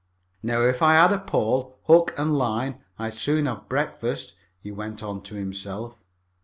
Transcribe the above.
"Now if I had a pole, hook, and line I'd soon have a breakfast," he went on to himself.